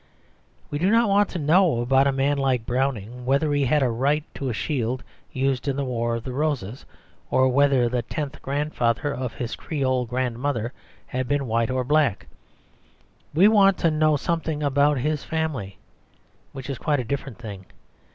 We do not want to know about a man like Browning, whether he had a right to a shield used in the Wars of the Roses, or whether the tenth grandfather of his Creole grandmother had been white or black: we want to know something about his family, which is quite a different thing.